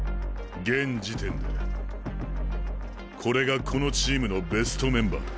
現時点でこれがこのチームのベストメンバーだ。